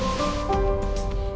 lalu ada partie daripada vault